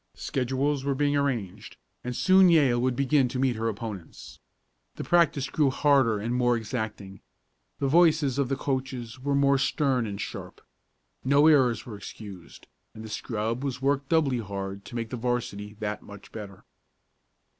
Schedules were being arranged, and soon Yale would begin to meet her opponents. The practice grew harder and more exacting. The voices of the coaches were more stern and sharp. No errors were excused, and the scrub was worked doubly hard to make the 'varsity that much better.